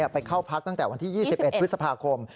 ไปเข้าพักตั้งแต่วันที่๒๑พฤษภาคม